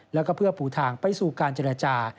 และพื้นทางไปสู่การจราจร